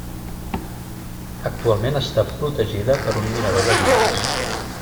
Actualment està protegida per un mirador de vidres.